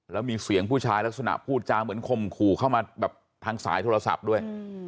แล้วมีเสียงผู้ชายลักษณะพูดจาเหมือนข่มขู่เข้ามาแบบทางสายโทรศัพท์ด้วย